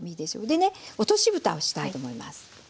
でね落としぶたをしたいと思います。